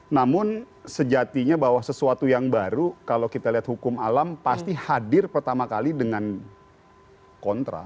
namun sejatinya bahwa sesuatu yang baru kalau kita lihat hukum alam pasti hadir pertama kali dengan kontra